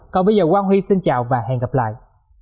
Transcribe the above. còn bây giờ quang huy xin chào và hẹn gặp lại